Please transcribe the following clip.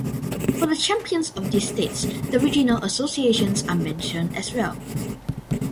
For the champions of these states the regional associations are mentioned as well.